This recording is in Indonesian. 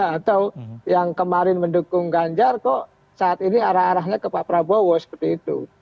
atau yang kemarin mendukung ganjar kok saat ini arah arahnya ke pak prabowo seperti itu